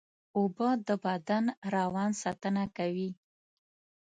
اوبه د بدن روان ساتنه کوي